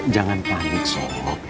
jangan panik so